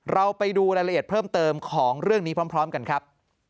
เราไปดูรายละเอียดเพิ่มเติมของเรื่องนี้พร้อมกันครับ